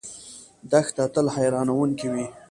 دښته تل حیرانونکې وي.